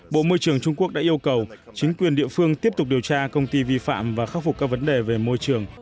bộ môi trường trung quốc đã yêu cầu chính quyền địa phương tiếp tục điều tra công ty vi phạm và khắc phục các vấn đề về môi trường